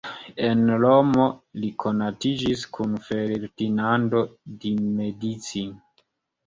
En Romo li konatiĝis kun Ferdinando di Medici.